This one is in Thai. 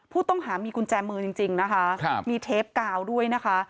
ผู้ต้องหามีกุญแจมือจริงนะคะมีเทปกาวด้วยนะคะ